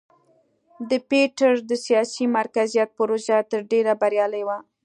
د پیټر د سیاسي مرکزیت پروژه تر ډېره بریالۍ وه.